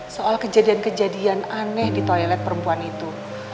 soal kejadian kejadian aneh di toilet perempuan itu